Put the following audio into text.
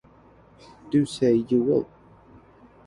Do say you will.